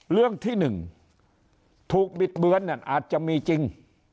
เรื่องที่หนึ่งถูกบิดเบือนเนี่ยอาจจะมีจริง